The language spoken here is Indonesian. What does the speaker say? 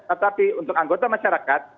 tetapi untuk anggota masyarakat